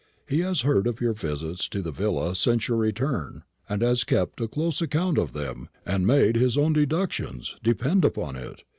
He has heard of your visits to the villa since your return, and has kept a close account of them, and made his own deductions, depend upon it.